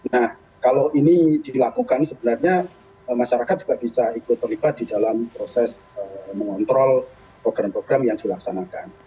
nah kalau ini dilakukan sebenarnya masyarakat juga bisa ikut terlibat di dalam proses mengontrol program program yang dilaksanakan